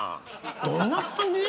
どんな感じ？